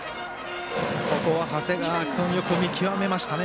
ここは長谷川君よく見極めましたね。